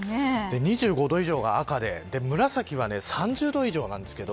２５度以上が赤で紫は３０度以上です。